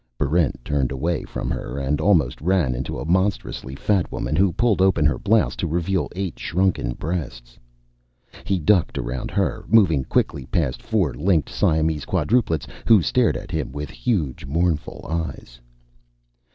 Barrent turned away from her and almost ran into a monstrously fat woman who pulled open her blouse to reveal eight shrunken breasts. He ducked around her, moving quickly past four linked Siamese quadruplets who stared at him with huge mournful eyes.